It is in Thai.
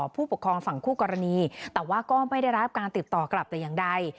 ผู้ปกครองฝั่งคู่กรณีแต่ว่าก็ไม่ได้รับการติดต่อกลับแต่อย่างใด